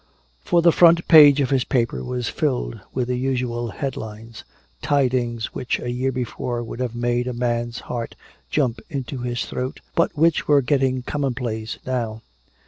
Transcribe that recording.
For the front page of his paper was filled with the usual headlines, tidings which a year before would have made a man's heart jump into his throat, but which were getting commonplace now.